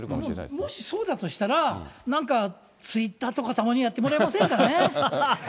もしそうだとしたら、なんか、ツイッターとか、たまにやってもらえませんかね。